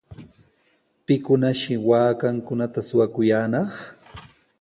¿Pikunashi waakankunata shuwakuyaanaq?